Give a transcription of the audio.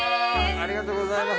ありがとうございます。